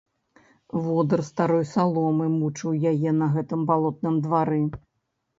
Водыр старой саломы мучыў яе на гэтым балотным двары.